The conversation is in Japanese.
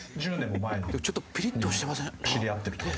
ちょっとピリッとしてません？